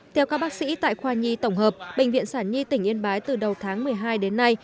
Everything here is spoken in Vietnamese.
theo các bác sĩ tại khoa nhi tổng hợp bệnh viện sản nhi tỉnh yên bái từ đầu tháng một mươi hai đến nay